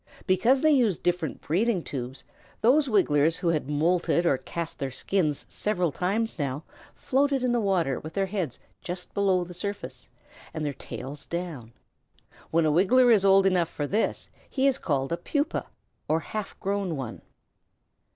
Because they used different breathing tubes, those Wigglers who had moulted or cast their skins several times now floated in the water with their heads just below the surface and their tails down. When a Wiggler is old enough for this, he is called a Pupa, or half grown one.